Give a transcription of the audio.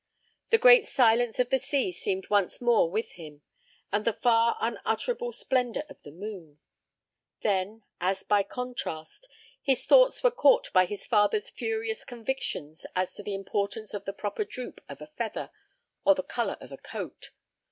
The great silence of the sea seemed once more with him, and the far unutterable splendor of the moon. Then, as by contrast, his thoughts were caught by his father's furious convictions as to the importance of the proper droop of a feather or the color of a coat.